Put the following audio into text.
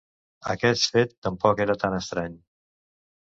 Aquest fet tampoc era tan estrany.